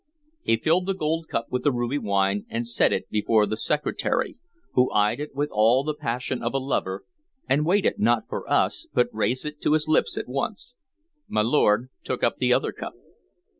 He filled the gold cup with the ruby wine and set it before the Secretary, who eyed it with all the passion of a lover, and waited not for us, but raised it to his lips at once. My lord took up the other cup.